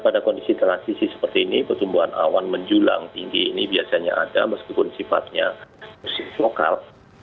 pada kondisi transisi seperti ini pertumbuhan awan menjulang tinggi ini biasanya ada meskipun sifatnya lokal